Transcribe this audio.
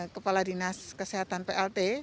kepala dinas kesehatan plt